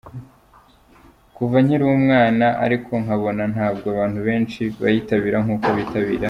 kuva nkiri umwana ariko nkabona ntabwo abantu benshi bayitabira nk’uko bitabira.